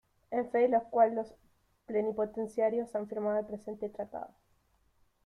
En fe de lo cual los plenipotenciarios han firmado el presente Tratado.